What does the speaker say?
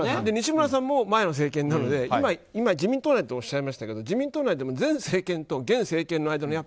西村さんも前の政権なので今、自民党内とおっしゃいましたが自民党内でも前政権と現政権